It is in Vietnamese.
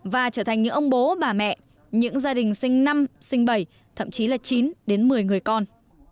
và trở thành những ông bố bà mẹ những gia đình sinh năm sinh bảy thậm chí là chín đến một mươi người con